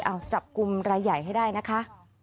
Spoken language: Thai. เอาจับกลุ่มรายใหญ่ให้ได้นะคะ